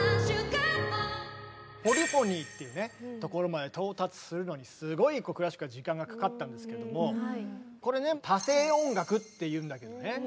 「ポリフォニー」っていうところまで到達するのにすごいクラシックは時間がかかったんですけどもこれね「多声音楽」っていうんだけどね